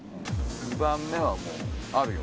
２番目はもうあるよ。